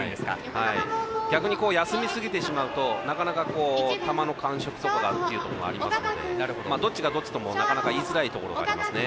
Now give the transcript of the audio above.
逆に休みすぎてしまうと球の感触がというところもあるのでどっちがどっちともなかなか言いづらいところありますね。